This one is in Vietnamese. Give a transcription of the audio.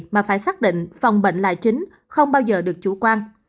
mà phải xác định phòng bệnh là chính không bao giờ được chủ quan